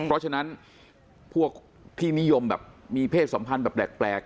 เพราะฉะนั้นพวกที่นิยมแบบมีเพศสัมพันธ์แบบแปลก